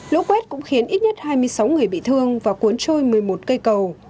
lũ quét cũng khiến ít nhất hai mươi sáu người bị thương và cuốn trôi một mươi một cây cầu